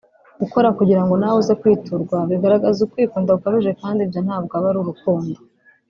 Gukora kugira ngo nawe uze kwiturwa bigaragaza ukwikunda gukabije kandi ibyo ntabwo aba ari urukundo